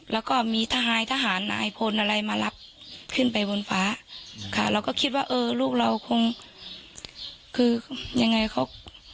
แล้วก็มีทหารทหารนายพลอะไรมารับขึ้นไปบนฟ้าค่ะเราก็คิดว่าเออลูกเราคงคือยังไงเขา